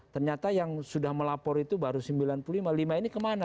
ternyata yang sudah melapor itu baru sembilan puluh lima lima ini kemana